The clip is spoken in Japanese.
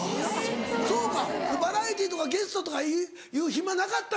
そうかバラエティーとかゲストとかいう暇なかったんだ。